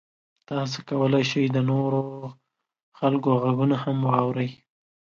تاسو کولی شئ د نورو خلکو غږونه هم واورئ.